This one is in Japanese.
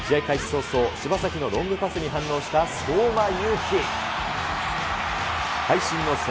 早々、柴崎のロングパスに反応した相馬勇紀。